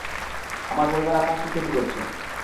আমার পরিবার আপনার কী ক্ষতি করেছে?